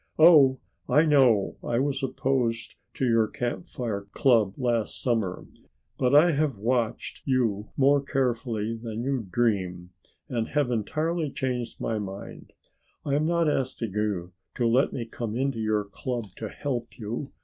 Oh, I know I was opposed to your Camp Fire club last summer, but I have watched you more carefully than you dream and have entirely changed my mind. I am not asking you to let me come into your club to help you.